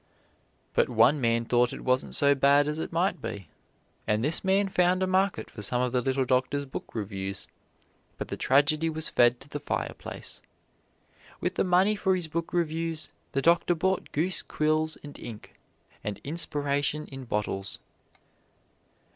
But one man thought it wasn't so bad as it might be, and this man found a market for some of the little doctor's book reviews, but the tragedy was fed to the fireplace. With the money for his book reviews the doctor bought goose quills and ink, and inspiration in bottles.